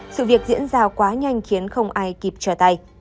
sự việc diễn ra quá nhanh khiến không ai kịp trở tay